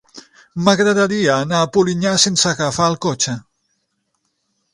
M'agradaria anar a Polinyà sense agafar el cotxe.